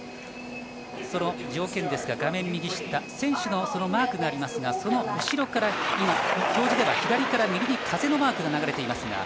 その条件ですが画面右下、選手のマークがありますが、その後ろから今、表示では左から右に風のマークが流れています。